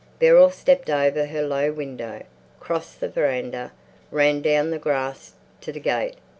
Beryl stepped over her low window, crossed the veranda, ran down the grass to the gate.